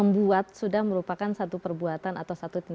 oleh karena itu syarat membuat itu adalah satu perbuatan atau satu tindak pidana